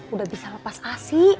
udah bisa lepas asik